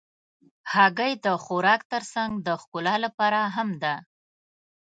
هګۍ د خوراک تر څنګ د ښکلا لپاره هم ده.